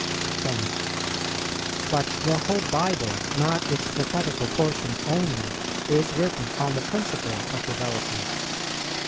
10. But the whole Bible, not its prophetical portions only, is written on the principle of development.